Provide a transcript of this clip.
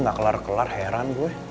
gak kelar kelar heran bu